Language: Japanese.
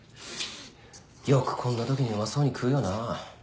よくこんなときにうまそうに食うよな。